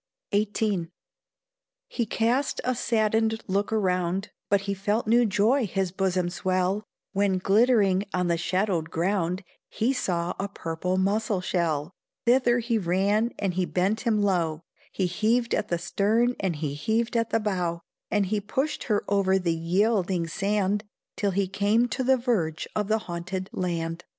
XVIII. He cast a saddened look around, But he felt new joy his bosom swell, When, glittering on the shadowed ground, He saw a purple muscle shell; Thither he ran, and he bent him low, He heaved at the stern and he heaved at the bow, And he pushed her over the yielding sand, Till he came to the verge of the haunted land.